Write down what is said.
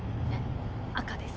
赤です。